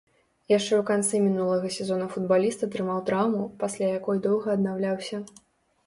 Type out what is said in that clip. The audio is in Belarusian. Яшчэ ў канцы мінулага сезона футбаліст атрымаў траўму, пасля якой доўга аднаўляўся.